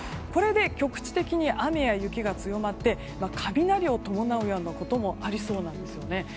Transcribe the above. これで局地的に雨や雪が強まって雷を伴うようなこともあるそうなんですね。